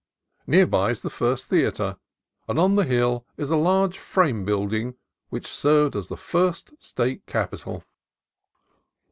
Near by is the first theatre, and on the hill is a large frame building which served as the first State Capitol.